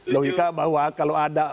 logika bahwa kalau ada